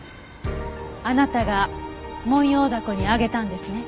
あなたがモンヨウダコにあげたんですね。